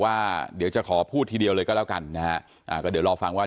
ว่าเดี๋ยวจะขอพูดทีเดียวเลยก็แล้วกันนะฮะอ่าก็เดี๋ยวรอฟังว่า